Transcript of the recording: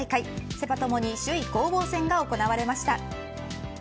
セ・パともに首位攻防戦が行われました。